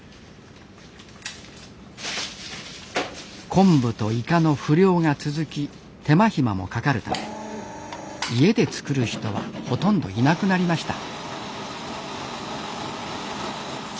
昆布とイカの不漁が続き手間暇もかかるため家で作る人はほとんどいなくなりました。